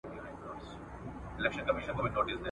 په دامونو کي مرغان چي بندېدله !.